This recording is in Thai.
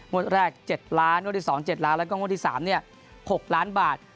แรก๗ล้านงวดที่๒๗ล้านแล้วก็งวดที่๓๖ล้านบาท